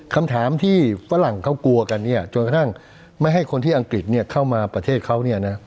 คำถามที่ฝรั่งเขากลัวกันเนี่ยจนกระทั่งไม่ให้คนที่อังกฤษเข้ามาประเทศเขา